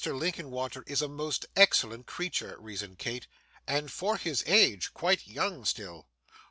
Linkinwater is a most excellent creature,' reasoned Kate, 'and, for his age, quite young still.